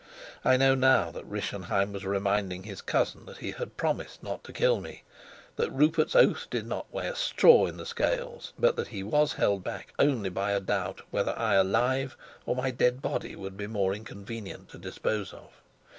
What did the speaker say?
I know now that Rischenheim was reminding his cousin that he had promised not to kill me, that Rupert's oath did not weigh a straw in the scales, but that he was held back only by a doubt whether I alive or my dead body would be more inconvenient to dispose of.